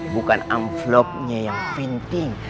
bukan amplopnya yang penting